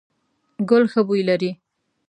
ګل ښه بوی لري ….